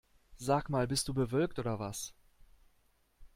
Sag mal, bist du bewölkt oder was?